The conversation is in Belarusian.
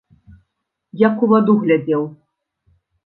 Як у ваду глядзеў!